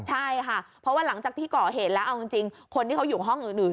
ใช่ค่ะเพราะว่าหลังจากที่ก่อเหตุแล้วเอาจริงคนที่เขาอยู่ห้องอื่น